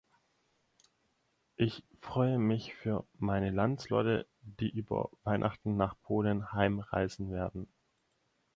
Ich freue mich für meine Landsleute, die über Weihnachten nach Polen heimreisen werden.